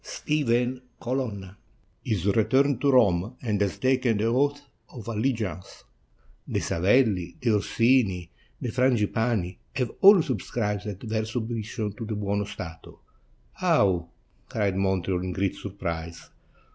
Stephen Colonna —" "Is returned to Rome, and has taken the oath of allegiance; the Savelli, the Orsini, the Frangipani, have all subscribed their submission to the Buono Stato." "How!" cried Montreal in great surprise.